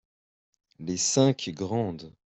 Les cinq grandes.